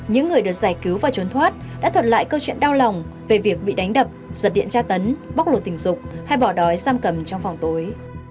những người được giải cứu và trốn thoát đã thuật lại câu chuyện đau lòng về việc bị đánh đập giật điện tra tấn bóc lột tình dục hay bỏ đói giam cầm trong phòng tối